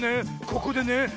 ここでね